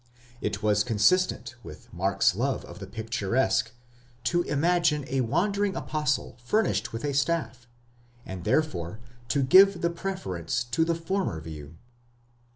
It was consistent with Mark's love of the picturesque to imagine a wandering apostle furnished with a staff, and therefore to give the preference to the former view.